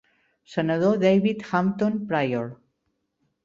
Senador David Hampton Pryor.